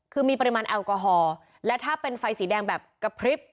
คือมีปริมาณแอลกอฮอล์และถ้าเป็นไฟสีแดงแบบกระพริบ